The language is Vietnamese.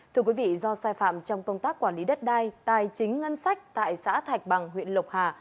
thưa quý vị do sai phạm trong công tác quản lý đất đai tài chính ngân sách tại xã thạch bằng huyện lộc hà